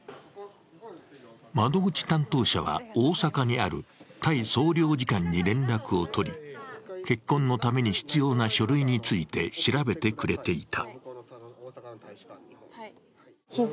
窓口担当者は、大阪にあるタイ総領事館に連絡を取り結婚のために必要な書類について調べてくれていた。